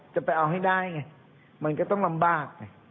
จะเอาให้ได้ไงมันก็ต้องลำบากไง